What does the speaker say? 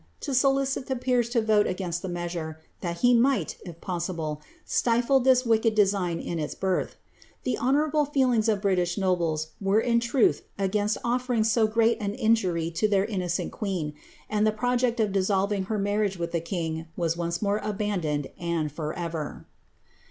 to solicit the peers to rote against the measure, that he might, if possible, stifle this wicked design ia its birth/ The honourable feelincrs o( British nobles were in truth against oftrinf so great an injury to their innocL ni queen, and the project of dissolTiii^ her marriai^ with the king was once more abandoned, and for erer.